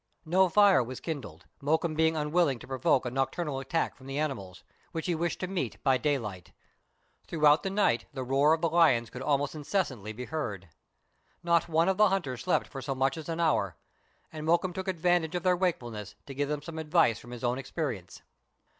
No fire was kindled, Mokoum being unwilling to provoke a nocturnal attack from the animals, which he wished to meet by day light. Throughout the night the roar of the lions could almost incessantly be heard. Not one of the hunters slept for so much as an hour, and Mokoum took advantage of their wakefulness to give them some advice from his own expe rience.